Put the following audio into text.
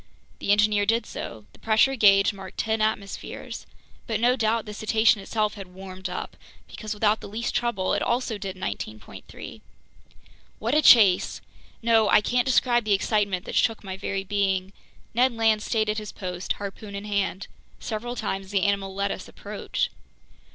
The engineer did so. The pressure gauge marked ten atmospheres. But no doubt the cetacean itself had "warmed up," because without the least trouble, it also did 19.3. What a chase! No, I can't describe the excitement that shook my very being. Ned Land stayed at his post, harpoon in hand. Several times the animal let us approach.